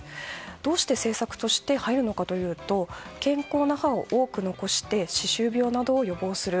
どうして政策として入るのかというと健康な歯を多く残して歯周病などを予防する。